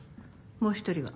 もう一人は？